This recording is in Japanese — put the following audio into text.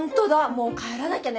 もう帰らなきゃね。